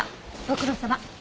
ご苦労さま。